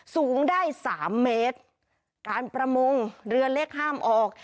สูงได้สามเมตรการประมงเรือเล็กห้ามออก